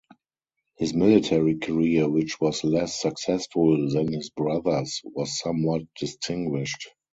His military career, which was less successful than his brother's, was somewhat distinguished.